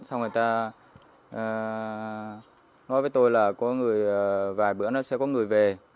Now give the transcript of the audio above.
xong người ta nói với tôi là có người vài bữa nó sẽ có người về